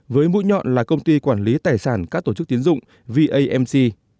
với mũi nhọn là công ty quản lý tài sản các tổ chức tín dụng vaa